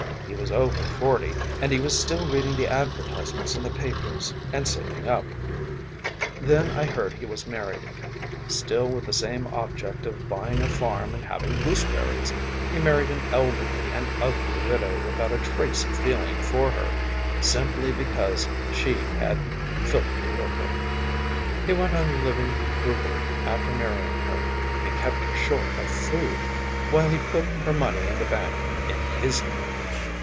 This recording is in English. He was over forty, and he was still reading the advertisements in the papers and saving up. Then I heard he was married. Still with the same object of buying a farm and having gooseberries, he married an elderly and ugly widow without a trace of feeling for her, simply because she had filthy lucre. He went on living frugally after marrying her, and kept her short of food, while he put her money in the bank in his name.